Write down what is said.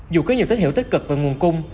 dù có nhiều tích hiệu tích cực và nguồn cung